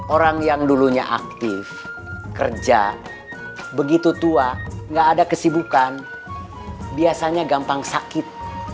orang yang dulunya aktif kerja begitu tua gak ada kesibukan biasanya gampang sakit